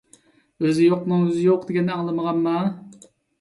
ئۆزى يوقنىڭ يۈزى يوق دېگەننى ئاڭلىمىغانما؟